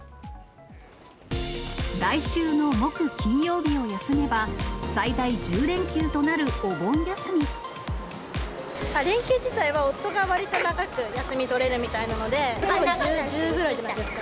来週の木、金曜日を休めば、連休自体は、夫がわりと長く休み取れるみたいなので、１０ぐらいじゃないですか。